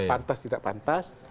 pantas tidak pantas